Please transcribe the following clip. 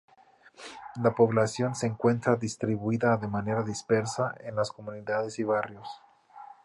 La población se encuentra distribuida de manera dispersa en las comunidades y barrios.